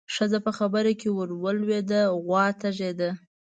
ښځه په خبره کې ورولوېده: غوا تږې ده.